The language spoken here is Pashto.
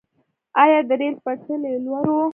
آیا د ریل پټلۍ لرو؟